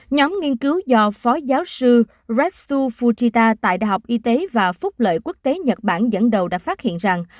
nhóm nghiên cứu do phó giáo sư restu fuchita tại đại học y tế và phúc lợi quốc tế nhật bản dẫn đầu đã phát hiện rằng